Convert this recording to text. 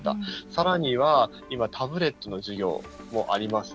さらには、今はタブレットの授業もあります。